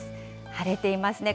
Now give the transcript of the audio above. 晴れていますね。